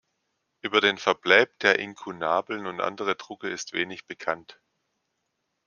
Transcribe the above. Über den Verbleib der Inkunabeln und anderen Drucke ist wenig bekannt.